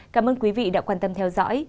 cảm ơn quý vị đã quan tâm theo dõi